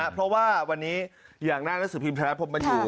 เพราะว่าวันนี้อย่างหน้านักศึกภิมธ์ธนาคมมาอยู่